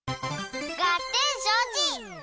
ガッテンしょうち！